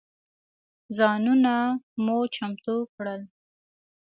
ځانونه مو چمتو کړل.